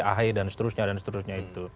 ahi dan seterusnya